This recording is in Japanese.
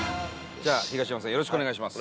じゃあ、東山さんよろしくお願いします。